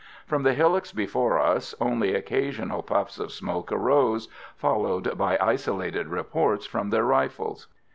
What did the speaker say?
From the hillocks before us only occasional puffs of smoke arose, followed by isolated reports from their rifles.